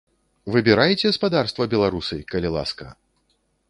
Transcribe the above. Выбірайце, спадарства беларусы, калі ласка.